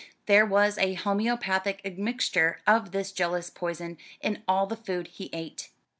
There was a homoeopathic admixture of this jealous poison in all the food he ate.